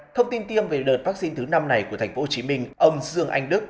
thông tin thêm về đợt vaccine thứ năm này của tp hcm ông dương anh đức